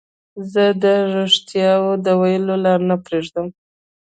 زه د رښتیاوو د ویلو لار نه پريږدم.